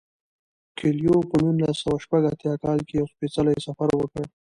کویلیو په نولس سوه شپږ اتیا کال کې یو سپیڅلی سفر وکړ.